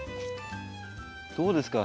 どうですか？